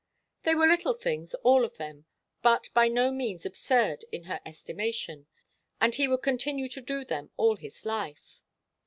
They were little things, all of them, but by no means absurd in her estimation, and he would continue to do them all his life.